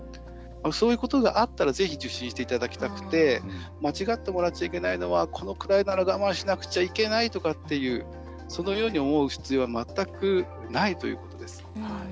そういうことがあったらぜひ受診していただきたくて間違ってもらっちゃいけないのはこのくらいなら我慢しなくちゃいけないとかっていうそのように思う必要は全くないということです。